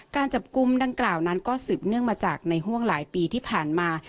การจับกลุ่มดังกล่าวนั้นก็สืบเนื่องมาจากในห่วงหลายปีที่ผ่านมา